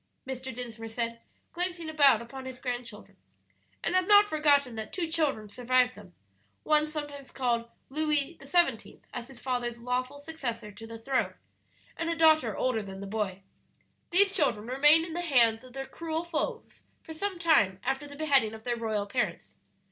Mr. Dinsmore said, glancing about upon his grandchildren; "and have not forgotten that two children survived them one sometimes called Louis XVII., as his father's lawful successor to the throne, and a daughter older than the boy. "These children remained in the hands of their cruel foes for some time after the beheading of their royal parents.